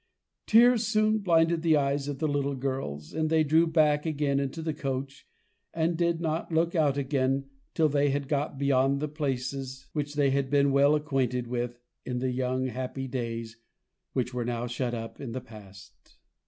Tears soon blinded the eyes of the little girls, and they drew back again into the coach, and did not look out again till they had got beyond the places which they had been well acquainted with in the young happy days which were now shut up in the past.